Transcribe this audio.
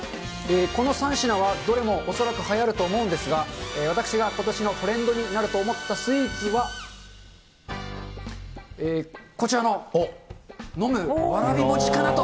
この３品は、どれも恐らくはやると思うんですが、私がことしのトレンドになると思ったスイーツは、こちらの、なるほど。